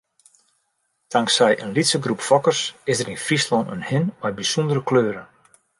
Tanksij in lytse groep fokkers is der yn Fryslân in hin mei bysûndere kleuren.